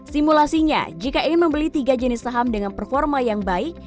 simulasinya jika ingin membeli tiga jenis saham dengan performa yang baik